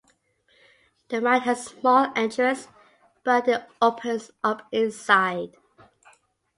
The mine has a small entrance, but it opens up inside.